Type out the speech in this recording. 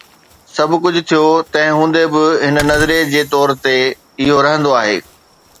سڀ ڪجهه ٿيو، تنهن هوندي به، هڪ نظريي جي طور تي اهو رهندو آهي